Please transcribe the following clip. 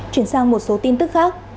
chuyển sang một số tin tức khác